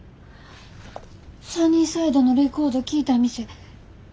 「サニーサイド」のレコード聴いた店。